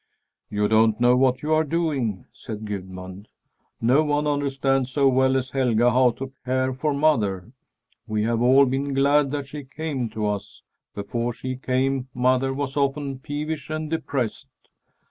"You don't know what you are doing," said Gudmund. "No one understands so well as Helga how to care for mother. We have all been glad that she came to us. Before she came, mother was often peevish and depressed."